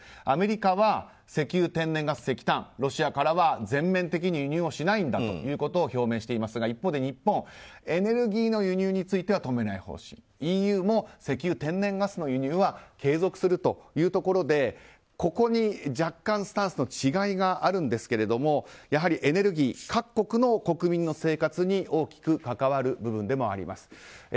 アメリカは石油、天然ガス、石炭ロシアからは全面的に輸入しないんだと表明していますが、一方で日本エネルギーの輸入については止めない方針ＥＵも石油、天然ガスの輸入は継続するというところでここに、若干スタンスの違いがあるんですけれどもやはりエネルギー各国の国民の生活に大きく関わる部分でもあります。